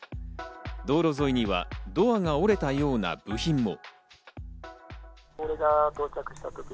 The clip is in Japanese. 道路沿いにはドアが折れたような部品も。